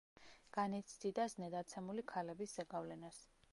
განიცდიდა ზნედაცემული ქალების ზეგავლენას.